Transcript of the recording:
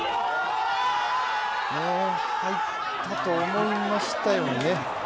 入ったと思いましたよね